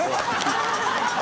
ハハハ